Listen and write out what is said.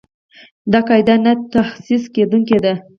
دا قاعده نه تخصیص کېدونکې ده.